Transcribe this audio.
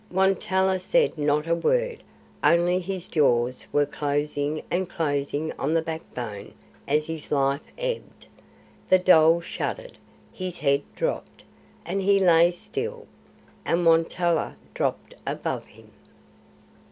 Won tolla said not a word, only his jaws were closing and closing on the backbone as his life ebbed. The dhole shuddered, his head dropped, and he lay still, and Won tolla dropped above him.